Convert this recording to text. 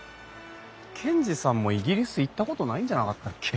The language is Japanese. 賢治さんもイギリス行ったことないんじゃなかったっけ？